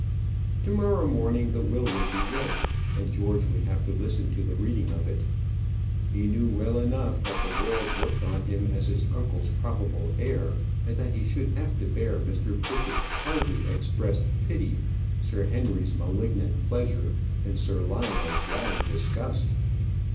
To morrow morning the will would be read, and George would have to listen to the reading of it. He knew well enough that the world looked on him as his uncle's probable heir, and that he should have to bear Mr. Pritchett's hardly expressed pity, Sir Henry's malignant pleasure, and Sir Lionel's loud disgust.